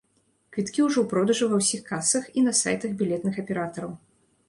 Квіткі ўжо ў продажы ва ўсіх касах і на сайтах білетных аператараў.